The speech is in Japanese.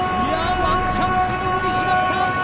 ワンチャンスをものにしました。